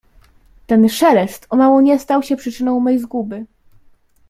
"Ten szelest o mało nie stał się przyczyną mej zguby."